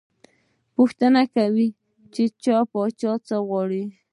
پوښتنه یې کاوه، چې پاچا څه غواړي.